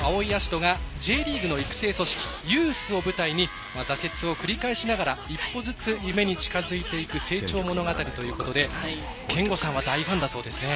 人がＪリーグの育成組織ユースを舞台に挫折を繰り返しながら、一歩ずつ夢に近づいていく成長物語ということで憲剛さんは大ファンだそうですね。